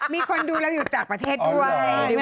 มีคนดูเราอยู่ต่างประเทศด้วย